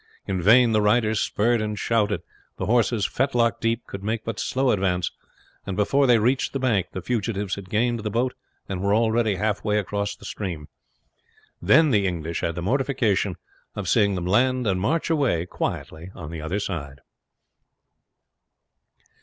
In vain the riders spurred and shouted, the horses, fetlock deep, could make but slow advance, and before they reached the bank the fugitives had gained the boat and were already halfway across the stream. Then the English had the mortification of seeing them land and march away quietly on the other side.